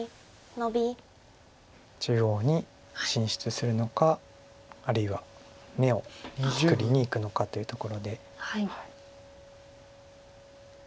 中央に進出するのかあるいは眼を作りにいくのかというところで。